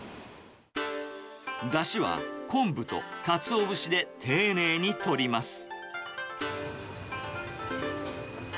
だしは昆布とかつお節で丁寧にとります。